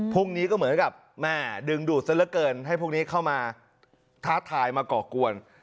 พรุ่งนี้ก็เหมือนกับแม่ดึงดูดซะเหลือเกินให้พวกนี้เข้ามาท้าทายมาก่อกวน